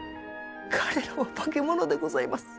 彼らは化け物でございます！